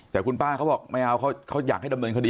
แต่คุณป้าเขาบอกไม่เอาเขาอยากให้ดำเนินคดี